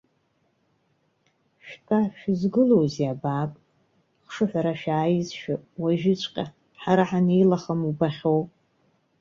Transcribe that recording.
Шәтәа, шәызгылоузеи, абаак, хшыҳәара шәааизшәа, уажәыҵәҟьа, ҳара ҳанеилахам убахьоу.